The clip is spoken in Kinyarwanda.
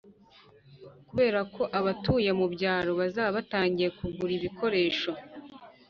kuberako abatuye mu byaro bazaba batangiye kugura ibikoresho